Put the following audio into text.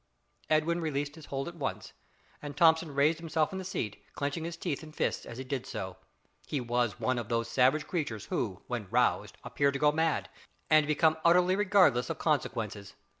Edwin released his hold at once, and Thomson raised himself in the seat, clenching his teeth and fists as he did so. He was one of those savage creatures who, when roused, appear to go mad, and become utterly regardless of consequences.